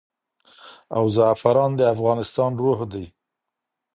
او زعفران د افغانستان روح دی.